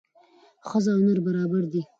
ښځه او نر برابر دي